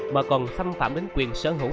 mà còn xâm phạm đến quyền sở hữu